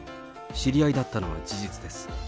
知り合いだったのは事実です。